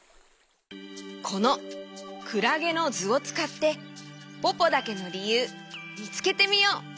このクラゲのずをつかってポポだけのりゆうみつけてみよう！